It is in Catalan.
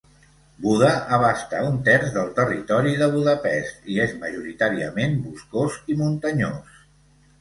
Buda abasta un terç del territori de Budapest i és majoritàriament boscós i muntanyós.